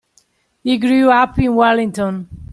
He grew up in Wellington.